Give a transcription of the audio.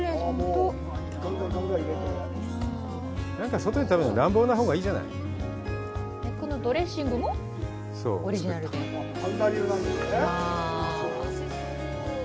外で食べる時乱暴なほうがいいじゃないこのドレッシングもオリジナルでそうＯＫ！